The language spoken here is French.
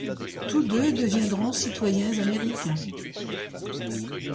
Tous deux deviendront citoyens américains.